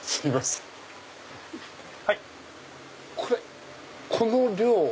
これこの量。